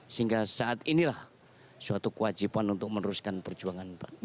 sehingga saat inilah suatu kewajiban untuk meneruskan perjuangan bapak